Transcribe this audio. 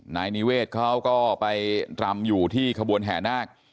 นายนิเวศเขาก็ไปรำอยู่ที่ขบวนแห่นาค